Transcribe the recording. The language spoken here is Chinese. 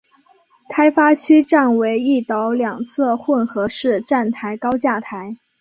开发区站为一岛两侧混合式站台高架站。